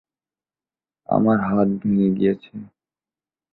আমার হাত ভেঙ্গে গিয়েছে।